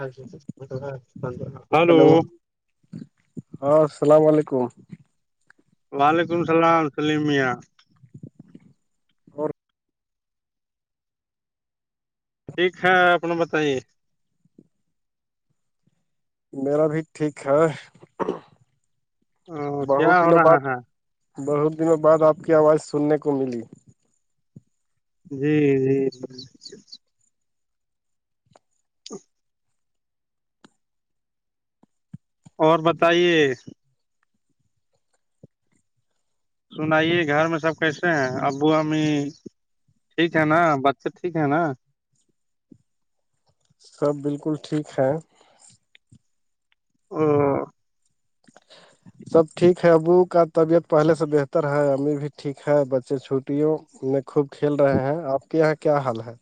ی نانو ہلو ہاں السلام علیکم وعلیکم السلام سلیمیہں اور ٹھیک ہے اپنا بتائیے میرا بھی ٹھیک ہے او کیا بہت ہو دنوں رہا بعد ہے بہت دن بعد آپ کی آواز سننے کو ملی جی جی جی تو اور بتائیے سنائیے گھر میں سب کیسے ہیں ابو امی ٹھیک ہے نا بچے ٹھیک ہے نا سب بالکل ٹھیک ہے ہ سب ٹھیک ہے ابو کا طبیعت پہلے سے بہتر ہے امی بھی ٹھیک ہے بچے چھوٹیوں خوب کھیل رہے ہیں آپ کے یہاں کیا حال ہے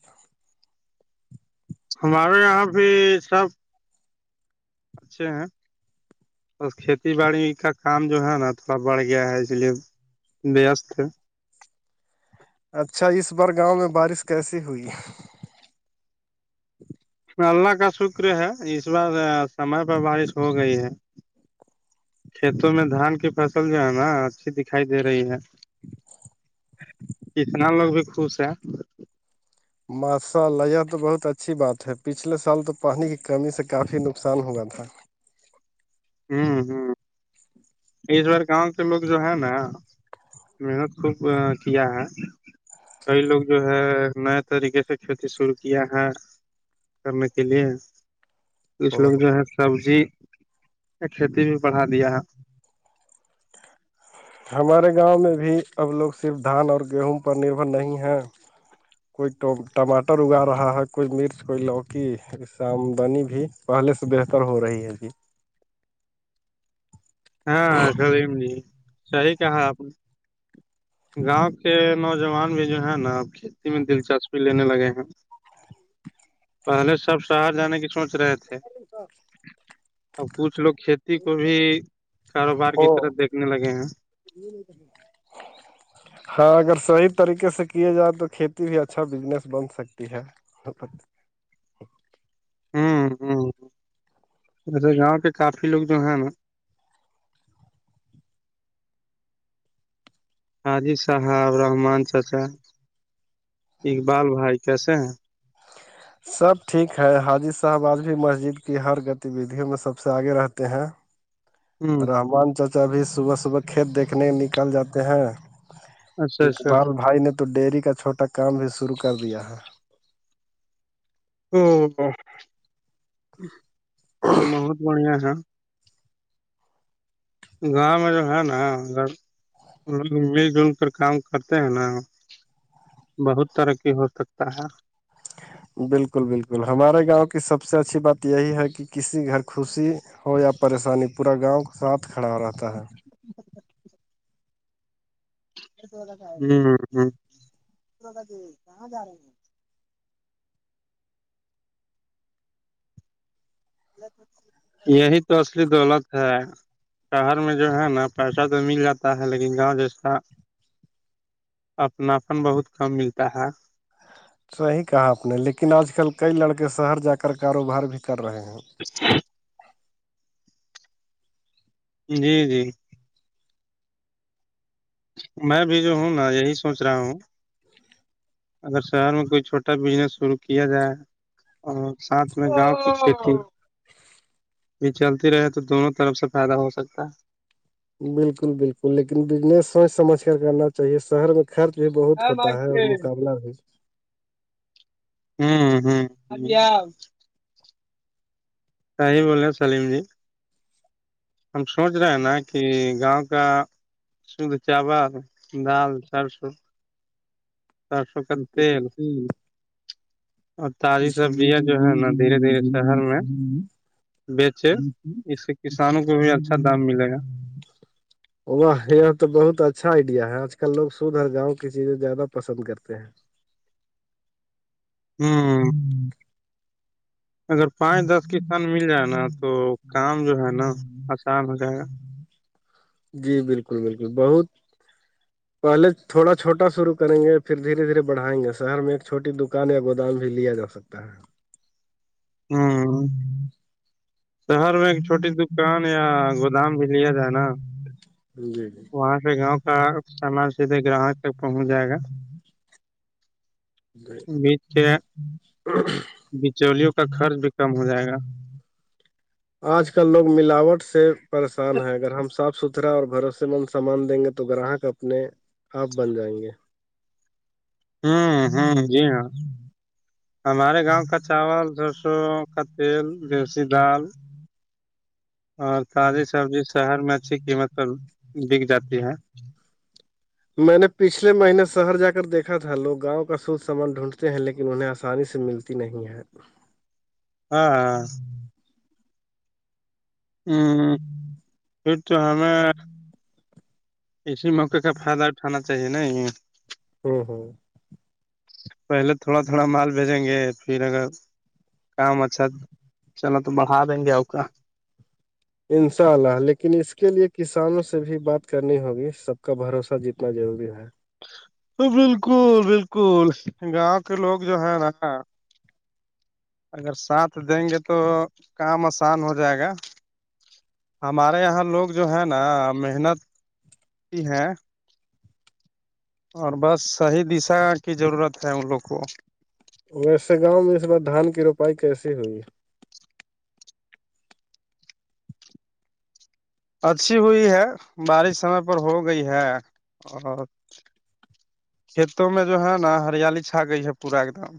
ہمارے یہاں پہ سب اچھا اور کھیتی باڑی کا کام جو ہے نا تھوڑا بڑھ گیا ہے اس لیے بیےیاستے اچھا اس بار گاؤں میں بارش کیسی ہوئی اللہ کا شکر ہے اس بار سمے پہ بارش ہو گئی ہے کھیتوں میں دھان کی فصل جو ہے نا اچھی دکھائی دے رہی ہے کتنا لوگ بھی خوش ہیں ماشاء اللہ یہ تو بہت اچھی بات ہے پچھلے سال تو پانی کی کمی سے کافی نقصان ہوا تھا ہوں ہ اس بار گاؤں کے لوگ جو ہے نا محنت خوب کیا ہے کئی لوگ جو ہے نئے طریقے سے کھیتی شرو کیا ہے کرنے کے لیے کچھ لوگ جو ہے سبزی کھیتی بھی بڑھا دیا ہے ہمارے گاؤں میں بھی اب لوگ صرف دھان اور گیہوں پر نربھر نہیں ہیں کوئیٹ ٹماٹر اگا رہا ہے کوئی مرچ کوئی لوکی آمدنی بھی پہلے سے بہتر ہو رہی ہے جی ہاں سلیم جی صحیح کہا آپ نے گاؤں کے نوجوان بھی جو ہے نا کھیتی میں دلچسپی لینے لگے ہیں پہلے سب شہر جانے کی سوچ رہے تھے [unintelligible] ا کچھ لوگ کھیتی کو بھی کاروبار کی طرف دیکھنے لگے ہیں نہیں نہیں کر ہاں اگر صحیح طریقے سے کیے جائے تو کھیتی بھی اچھا بزنس بن سکتی ہے سپت ہوں ہ ایسے گاؤں کے کافی لوگ جو ہیں نا حاجی صاحب رحمان چچا اقبال بھائی کیسے ہیں سب ٹھیک ہے حاجی صاحب آج بھی مسجد کی ہر گتیویددیوں میں سب سے آگے رہتے ہیں ہ رحمان چاچا بھی صبح صبح کھیت دیکھنے نکل جاتے ہیں اچھا اچھا اقبال بھائی نے تو ڈیری کا چھوٹا کام بھی شرو کر دیا ہے ا اور بہت بڑھیا ہے گاؤں میں جو ہے نا لوگ مل جل کر کام کرتے ہیں نا بہت ترقی ہو سکتا ہے بالکل بالکل ہمارے گاؤں کی سب سے اچھی بات یہی ہے کہ کسی گھر خوشی ہو یا پریشانی پورا گاؤں ساتھ کھڑا ہو رہتا ہے کہاں جا رہے ہیں [unintelligible] یہی تو اصلی دولت ہے شہر میں جو ہے نا پیسہ تو مل جاتا ہے لیکن گاؤں جیس کا اپناپن بہت کم ملتا ہے صحیح کہا آپ نے لیکن آج کل کئی لڑکے شہر جا کر کاروبار بھی کر رہے ہیں [unintelligible] جی جی میں بھی جو ہوں نا یہی سوچ رہا ہوں اگر شہر میں کوئی چھوٹا بزنس شروع کیا جائے اور ساتھ میں گاؤں کی کھیتی یہ چلتی رہے تو دونوں طرف سے فائدہ ہو سکتا ہے بالکل بالکل لیکن بجنس سوچ سمجھ کر کرنا چاہیے شہر میں خرچ بھی بہت ہوتا ہے اور مقابلہ بھی ہ ہ ا [unintelligible] صحی بول رہے ہیں سلیم جی ہم سوچ رہے ہیں نا کہ گاؤں کا سد چابا دال چار سو چار سو کا تل اور تازی سببجیا جو ہے نا دھیرے دھیرے شہر میں بیچے ہ اس سے ہ ہ کسانوں کو بھی اچھا دام ملے گا [unintelligible] واہ یہ تو بہت اچھا آئیڈیا ہے آج کل لوگ سدھر گاؤں کی چیزیں زیادہ پسند کرتے ہیں ہوں ہوں [unintelligible] اگر پانچ دس کسان مل جائے نا تو کام جو ہے نا آسان ہو جائے گا جی بالکل بالکل بہت پہلے تھوڑا چھوٹا شرع کریں گے پھر دھیرے دھیرے بڑھائیں گے شہر میں ایک چھوٹی دکان یا گودام بھی لیا جا سکتا ہے [unintelligible] ہوں [unintelligible] شہر میں ایک چھوٹی دکان یا گودام بھی لیا جائے نا جی جی وہاں سے گاؤں کا سامان سھے گراہک تک پہنچ جائے گا ب [unintelligible] بچلیوں کا خرچ بھی کم ہو جائے گا آج کل لوگ ملاوٹ سے پریشان ہے اگر ہم صاف ستھرا کترا اور بھروسے مند سامان دیں گے تو گراہک اپنے آپ بن جائیں گے [inaudible] ہ ہ جی ہاں ہمارے گاؤں کا چاول سرسوں کا تل رسی دال اور تازی سبزی شہر میں اچھی قیمت پر بک جاتی ہے میں نے پچھلے مہینے شہر جا کر دیکھا تھا لوگ گاؤں کا سوود سامان ڈھونڈتے ہیں لیکن انہیں آسانی سے ملتی نہیں ہے ہاں ہ ہوں پھر تو ہمیں اسی موکے کا فائدہ اٹھانا چاہیے نا یہ ہوں ہوں پہلے تھوڑا تھوڑا مال بھیجیں گے پھر اگر کام اچھا چلو تو بڑھا دیں گے ا کا انشاء اللہ لیکن اس کے لیے کسانوں سے بھی بات کرنی ہوگی سب کا بھروسہ جتنا ضروری ہے بالکل بالکل گاؤں کے لوگ جو ہے نا اگر ساتھ دیں گے تو کام آسان ہو جائے گا ہمارے یہاں لوگ جو ہیں نا محنتتی ہیں [unintelligible] اور بس صحیح دشا کی ضرورت ہے ان لوگ کو ویسے گاؤں میں اس بار دھان کی روپائی کیسی ہوئی اچھی ہوئی ہے بارش سمے پر ہو گئی ہے اور کھیتوں میں جو ہے نا ہریالی چھا گئی ہے پورا ایک دم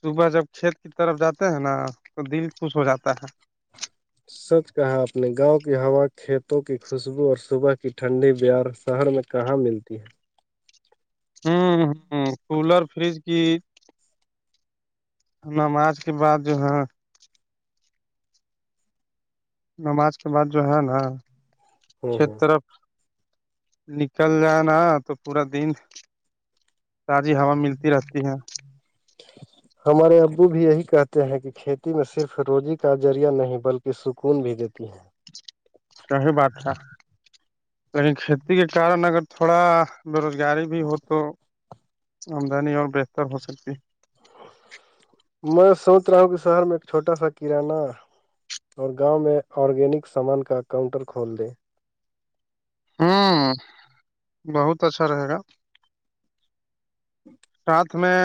صبح جب کھیت کی طرف جاتے ہیں نا تو دل خوش ہو جاتا ہے سچ کہا اپنے گاؤں کی ہوا کھیتوں کی خوشبو اور صبح کی ٹھنڈی بہار شہر میں کہاں ملتی ہے ہوں ہ کولر فریج کی نماز کے بعد جو ہے نماز کے بعد جو ہے نا ہوں کھیت ہوں طرف نکل جائے نا تو پورا دن تازی ہوا ملتی رہتی ہے ہمارے ابو بھی یہی کہتے ہیں کہ کھیتی میں صرف روزی کا ذریعہ نہیں بلکہ کی سکون بھی دیتی ہیں صی بات تھا نی کھیتی کے کارن اگر تھوڑا بےروزگاری بھی ہو تو آمدنی اور بہتر ہو سکتی میں سوچ رہا ہوں کہ شہر میں ایک چھوٹا سا کرانہ اور گاؤں میں آرگینک سامان کا کاؤنٹر کھول دیں ہوں بہت اچھا رہے گا ساتھ میں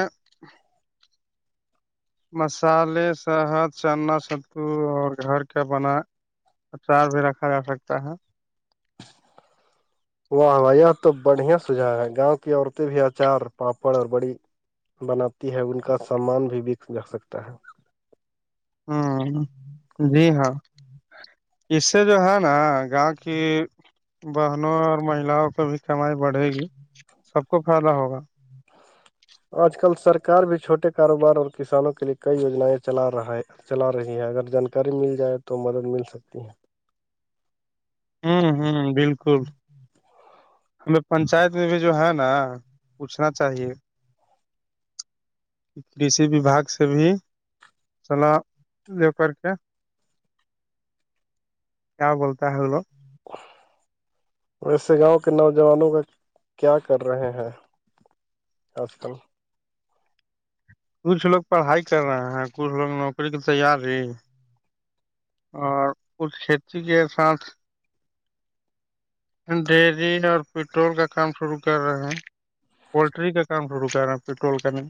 مسالے شہد چنا سو اور گھر کا بنا اچار بھی رکھا جا سکتا ہے واہ یہ تو بڑھیا سجھا ہے گاؤں کی عورتیں بھی اچار پاپڑ اور بڑی بناتی ہے ان کا سامان بھی بک جا سکتا ہے ہوں جی ہاں اس سے جو ہے نا گاؤں کی بہن اور مہیلاؤں پ بھی کمائی بڑھے گی سب کو فائدہ ہوگا [unintelligible] آج کل سرار بھی چھوٹے کاروبار اور کسانوں کے لیے کئی یجنیں چلا رہا ہے [unintelligible] چلا رہی ہے اگر جانکاری مل جائے تو مدد مل سکتی ہے ہوں ہوں بالکل ہمیں پنچایت میں بھی جو ہے نا پوچھنا چاہیے کشی وباگ سے بھی [unintelligible] سلا د کر کے [unintelligible] کیا بولتا ہولو [unintelligible] ویسے گاؤں کے نوجوانوں کا کیا کر رہے ہیں آج کل کچھ لوگ پڑھائی کر رہے ہیں کچھ لوگ نوکری کی تیار ہی اور کچھ کھیتی کے ساتھ ڈری اور پیٹرول کا کام شروع کر رہے ہیں پولٹری کا کام شرو کر رہے ہیں پیٹرول کانے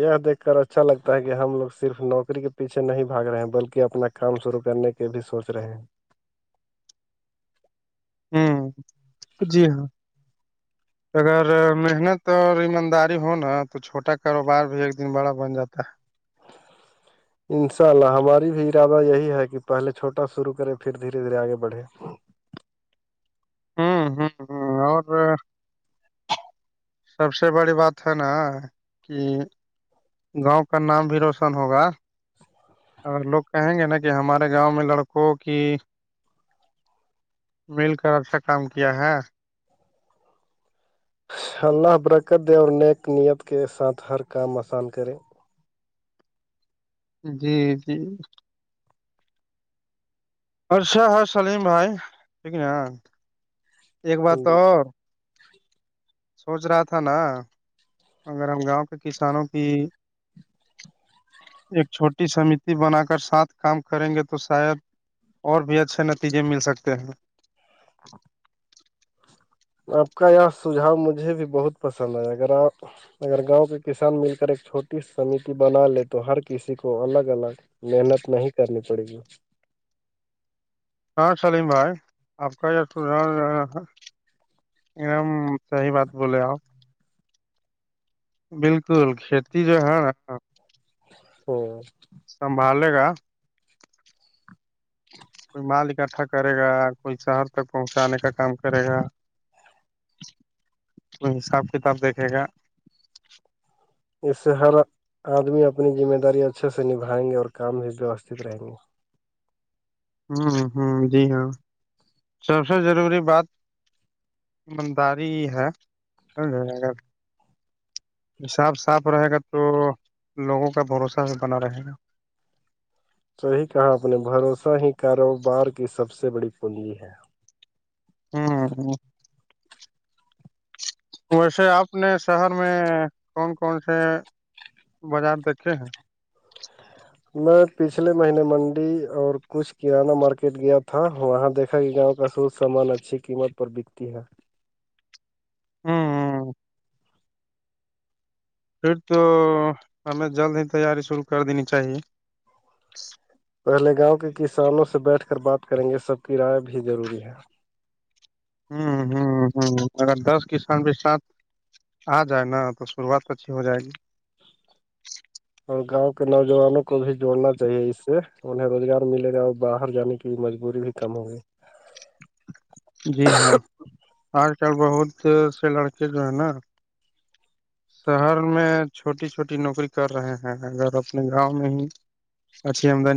یہ دیکھ کر اچھا لگتا ہے کہ ہم لوگ صرف نوکری کے پیچھ نہیں بھاگ رہے ہیں بلکہ اپنا کام شرو کرنے کے بھی سوچ رہے ہیں ہوں جی ہاں اگر محنت اور ایمانداری ہو نا تو چھوٹا کاروبار بھی ایک دن بڑا بن جاتا ہے ان شاء اللہ ہماری بھی ارادہ یہی ہے کہ پہلے چھوٹا شروع کرے پھر دھیرے دھیرے آگے بڑھے ہاں ہ ہ [unintelligible] اور سب سے بڑی بات ہے نا کہ گاؤں کا نام بھی روشن ہوگا اور لوگ کہیں گے نا کہ ہمارے گاؤں میں لڑکوں کی مل کر اچھا کام کیا ہے ان شاء اللہ برکت دے اور نیک نیت کے ساتھ ہر کام آسان کرے جی جی ارشا ہے سلیم بھائی ٹھیک ن ایک بات اور سوچ رہا تھا نا اگر ہم گاؤں کے کسانوں کی ایک چھوٹی سمتی بنا کر سات کام کریں گے تو شاید اور بھی اچھے نتیجے مل سکتے ہیں [inaudible] آپ کا یہ سجاؤ مجھے بھی بہت پسند ہے اگر آپ اگر گاؤں کے کسان مل کر ایک چھوٹی سمتی بنا لے تو ہر کسی کو الگ الگ محنت نہیں کرنی پڑے گی ہاں سلیم بھائی آپ کا یہ نم صحیح بات بولے بالکل کھیتی جو ہے نا ہوں [inaudible] سنبھالے گا کوئی مال اکٹھا کرے گا کوئی شہر تک پہنچانے کا کام کرے گا کو حساب کتاب دیکھے گا اس سے ہر آدمی اپنی ذمہ داری اچھے سے نبھائیں گے اور کام بھی ویوستھت رہیں گے ہ ہ جی ہاں سب سے ضروری بات ایمانداری ہی ہےگر [inaudible] سب صاف رہے گا تو لوگوں کا بھروسہ بنا رہے گا صحی کہا اپ نے بھروسہ ہی کاروبار کی سب سے بڑی پنی ہے ہاں [inaudible] ویسے آپ نے شہر میں کون کون سے بازار دیکھے ہیں میں پچھلے مہینے منڈی اور کچھ کانہ مارکیٹ گیا تھا وہاں دیکھا کہ گاؤں کا سٹ سامان اچھی قیمت پر بکتی ہے ہاں ہاں پھر تو ہمیں جلد ہی تیاری شروع کر دینی چاہیے پہلے گاؤں کے کسانوں سے بیٹھ کر بات کریں گے سب کی رائے بھی ضروری ہے ہ ہ ہ اگر دس کسان بھی سات آ جائے نا تو شروعات تو اچھی ہو جائے گی اور گاؤں کے نوجوانوں کو بھی جوڑنا چاہیے اس سے انہیں روزگار ملے گا اور باہر جانے کی مجبوری بھی کم ہوگی جی ہاں آج کل بہت سے لڑکے جو ہے نا شہر میں چھوٹی چھوٹی نوکری کر رہے ہیں اگر اپنے گاؤں میں ہی اچھی آمدانی